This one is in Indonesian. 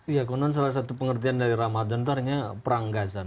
ya salah satu pengertian dari ramadhan itu adalah peranggasan